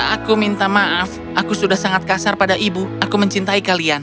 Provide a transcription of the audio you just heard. aku minta maaf aku sudah sangat kasar pada ibu aku mencintai kalian